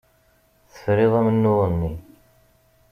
Tefriḍ amennuɣ-nni.